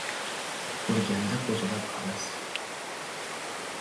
Ko‘rganda qo‘zg‘ab havas